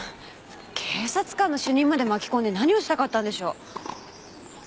警察官の主任まで巻き込んで何をしたかったんでしょう？